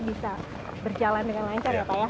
bisa berjalan dengan lancar ya pak ya